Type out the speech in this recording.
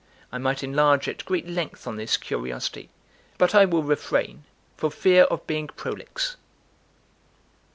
I might enlarge at great length on this curiosity; but I will refrain for fear of being prolix.